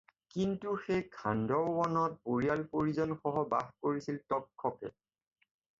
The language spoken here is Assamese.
কিন্তু সেই খাণ্ডৱ বনত পৰিয়াল-পৰিজনসহ বাস কৰিছিল তক্ষকে।